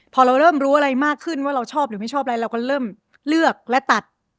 พอเราเริ่มรู้อะไรมากขึ้นว่าเราชอบหรือไม่ชอบอะไรเราก็เริ่มเลือกและตัด